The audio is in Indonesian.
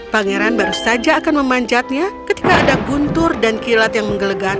pangeran baru saja akan memanjatnya ketika ada guntur dan kilat yang menggelegan